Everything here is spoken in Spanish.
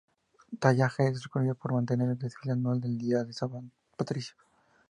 Tallaght es reconocido por mantener un desfile anual del Día de San Patricio.